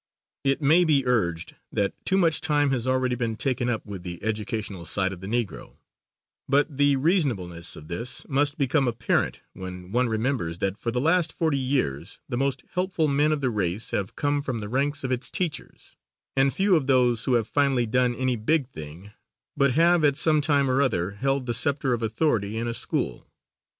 It may be urged that too much time has already been taken up with the educational side of the Negro, but the reasonableness of this must become apparent when one remembers that for the last forty years the most helpful men of the race have come from the ranks of its teachers, and few of those who have finally done any big thing, but have at some time or other held the scepter of authority in a school.